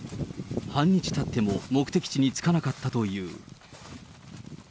半日たっても目的地に着かなかったという。